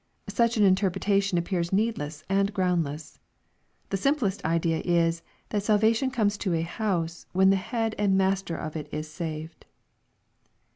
Such an interpretation appears needless and groundless. The simplest idea is, that salvation comes to a " house'* when the head and master of it is saved.